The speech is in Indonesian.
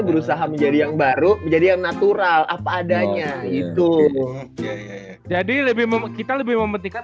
berusaha menjadi yang baru menjadi yang natural apa adanya itu jadi lebih kita lebih mementikan